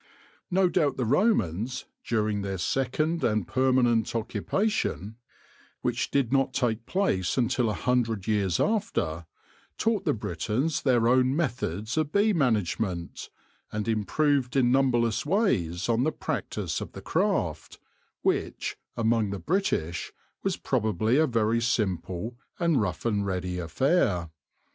No doubt the Romans, during their second and 16 THE LORE OF THE HONEY BEE permanent occupation, which did not take place until a hundred years after, taught the Britons their own methods of bee management, and improved in numberless ways on the practice of the craft, which, among the British, was probably a very simple and rough and ready affair.